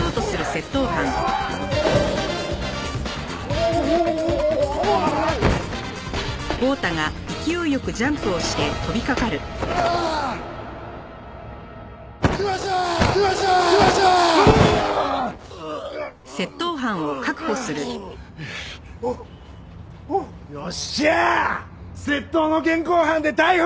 窃盗の現行犯で逮捕や！